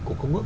của công ước